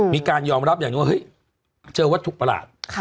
มีการยอมรับอย่างนี้เฮ้ยเจอว่าถูกประหลาด